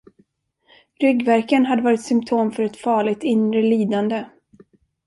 Ryggvärken hade varit symtom för ett farligt inre lidande.